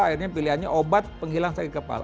akhirnya pilihannya obat penghilang sakit kepala